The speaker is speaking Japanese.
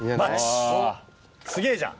すげぇじゃん。